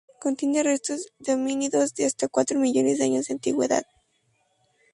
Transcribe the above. Contiene restos de homínidos de hasta cuatro millones de años de antigüedad.